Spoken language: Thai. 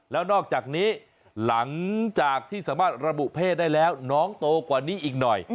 แล้วนอกจากนี้หลังจากที่สามารถระบุเพศได้แล้วน้องโตกว่านี้อีกหน่อย